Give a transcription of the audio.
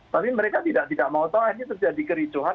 tapi mereka tidak mau tahu akhirnya terjadi kericauan